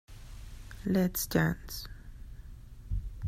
Let's dance.